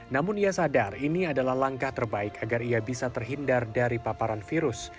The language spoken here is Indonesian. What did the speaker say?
namun ia sadar ini adalah langkah terbaik agar ia bisa terhindar dari paparan virus